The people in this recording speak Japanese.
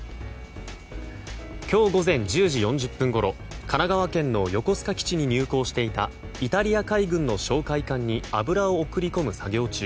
今日午前１０時４０分ごろ神奈川県の横須賀基地に入港していたイタリア海軍の哨戒艦に油を送り込む作業中